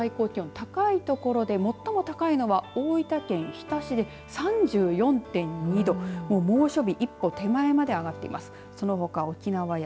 この時間までの最高気温高い所で最も高いのが大分県日田市で３４．２度猛暑日一歩手前まで上がっています。